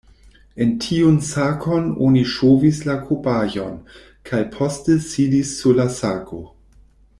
En tiun sakon oni ŝovis la kobajon, kaj poste sidis sur la sako.